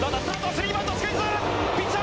スリーバントスクイズ！